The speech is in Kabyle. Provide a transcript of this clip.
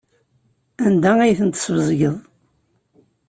Anda ay tent-tesbezgeḍ?